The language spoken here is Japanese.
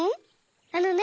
あのね